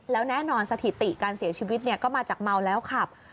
แล้วแน่นอนสถิติการเสียชีวิตก็มาจากเมาแล้วขับ